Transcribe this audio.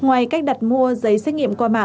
ngoài cách đặt mua giấy xét nghiệm